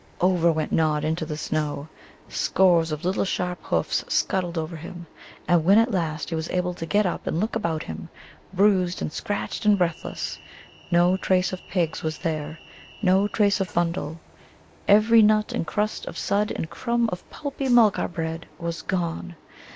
Over went Nod into the snow. Scores of little sharp hoofs scuttled over him. And when at last he was able to get up and look about him, bruised and scratched and breathless, no trace of pigs was there, no trace of bundle; every nut and crust of Sudd and crumb of pulpy Mulgar bread was gone.